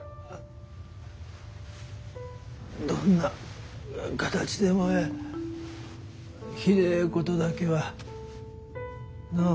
どんな形でもええひでえことだけはのう？